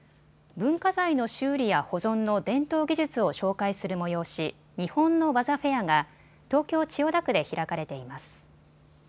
文化財の修理や保存の伝統技術を紹介する催し、日本の技フェアが東京千代田区で開かれています。